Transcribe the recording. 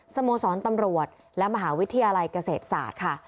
สโมสรตำรวจและมหาวิทยาลัยเกษตรศาสตร์ค่ะ